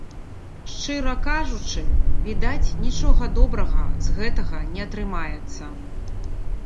Шчыра кажучы, відаць, нічога добрага з гэтага не атрымаецца.